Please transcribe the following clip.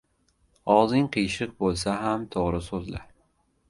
• Og‘zing qiyshiq bo‘lsa ham to‘g‘ri so‘zla.